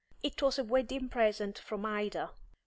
It was a wedding present from Ida.